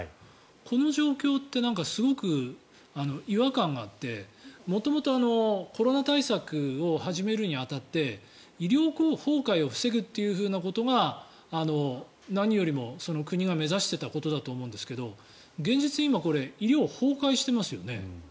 この状況ってすごく違和感があって元々、コロナ対策を始めるに当たって医療崩壊を防ぐということが何よりも国が目指していたことだと思うんですけど現実では今、医療が崩壊していますよね。